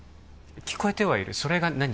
聞こえてはいるそれが何？